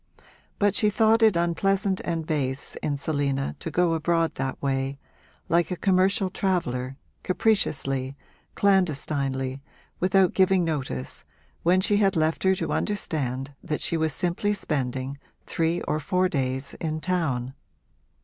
But she thought it unpleasant and base in Selina to go abroad that way, like a commercial traveller, capriciously, clandestinely, without giving notice, when she had left her to understand that she was simply spending three or four days in town.